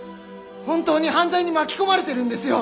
本当に犯罪に巻き込まれてるんですよ！